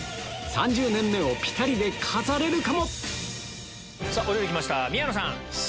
３０年目をピタリで飾れるかもお料理きました宮野さん。